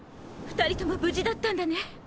２人とも無事だったんだね！